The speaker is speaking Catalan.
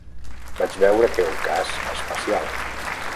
Vaig veure que era un cas especial.